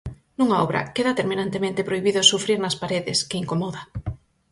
Nunha obra, Queda terminantemente prohibido sufrir nas paredes, que incomoda.